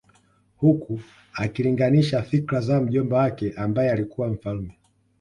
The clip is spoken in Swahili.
Huku akilinganisha fikra za mjomba wake ambaye alikuwa mfalme